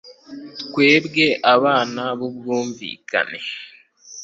twebwe abana b'ubwumvikane